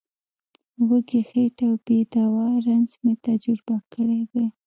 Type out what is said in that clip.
وږې خېټه او بې دوا رنځ مې تجربه کړی دی.